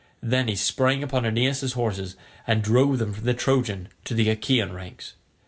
Then he sprang upon Aeneas's horses and drove them from the Trojan to the Achaean ranks.